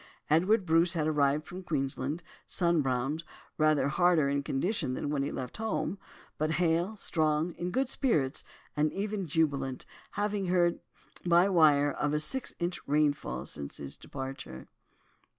Edward Bruce had arrived from Queensland, sunbrowned, rather harder in condition than when he left home, but hale, strong, in good spirits, and even jubilant, having heard by wire of a six inch rainfall since his departure.